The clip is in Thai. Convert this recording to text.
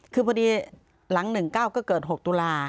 คือพอดีหลัง๑๙ก็เกิด๖ตุลา